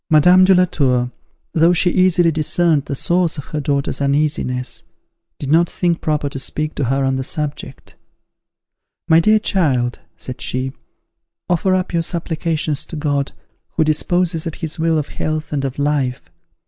Madame de la Tour, though she easily discerned the source of her daughter's uneasiness, did not think proper to speak to her on the subject. "My dear child," said she, "offer up your supplications to God, who disposes at his will of health and of life.